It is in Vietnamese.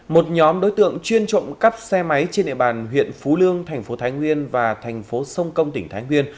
một nhóm đối tượng chuyên trộm cắp xe máy trên địa bàn huyện phú lương thành phố thái nguyên và thành phố sông công tỉnh thái nguyên